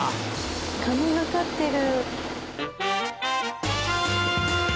神がかってる。